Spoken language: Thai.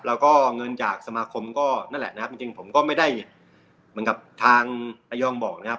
แล้วก็เงินจากสมาคมก็นั่นแหละนะครับจริงผมก็ไม่ได้เหมือนกับทางระยองบอกนะครับ